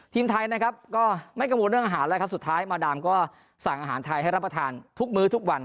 ทีมไทยไม่กระโบนเรื่องอาหารสุดท้ายมาดามสั่งอาหารไทยให้รับประทานทุกมือทุกวัน